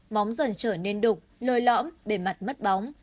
móng dần trở nên đục lôi lõm bề mặt mất bóng